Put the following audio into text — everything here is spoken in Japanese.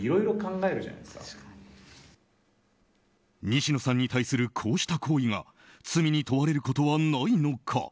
西野さんに対するこうした行為が罪に問われることはないのか。